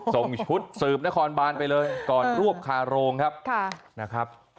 ส่งชุดสืบนครบานไปเลยก่อนรวบคาโรงครับนะครับ